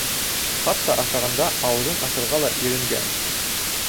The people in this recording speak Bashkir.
Хатта ашағанда ауыҙын асырға ла иренгән.